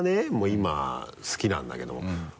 今好きなんだけども。